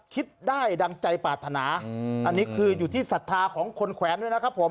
คิดได้ดังใจปรารถนาอันนี้คืออยู่ที่ศรัทธาของคนแขวนด้วยนะครับผม